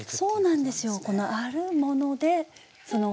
そうなんですよ。